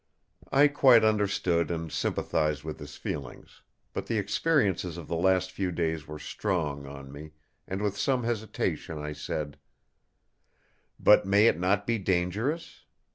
I quite understood and sympathised with his feelings; but the experiences of the last few days were strong on me, and with some hesitation I said: "But may it not be dangerous?